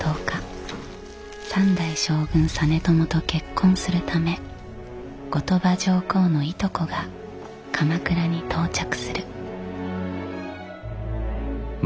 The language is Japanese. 三代将軍実朝と結婚するため後鳥羽上皇の従妹が鎌倉に到着する。